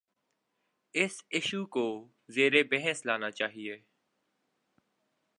اس issue کو زیربحث لانا چاہیے۔